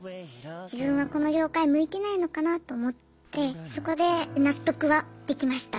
自分はこの業界向いてないのかなと思ってそこで納得はできました。